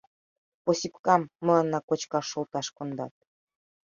Посипкам, мыланна кочкаш шолташ кондат.